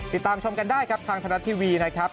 ติดตามชมกันได้ครับทางไทยรัฐทีวีนะครับ